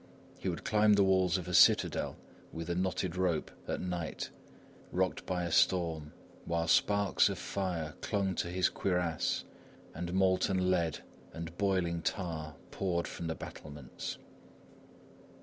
He would climb the walls of a citadel with a knotted rope, at night, rocked by the storm, while sparks of fire clung to his cuirass, and molten lead and boiling tar poured from the battlements.